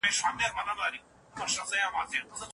تخنیکي پرمختګ د ژوند په ټولو برخو کي څرګند دی.